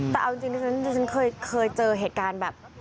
แต่เอาจริงดิฉันเคยเจอเหตุการณ์แบบ